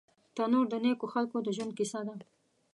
تنور د نیکو خلکو د ژوند کیسه ده